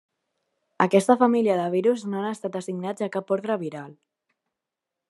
Aquesta família de virus no han estat assignats a un cap ordre viral.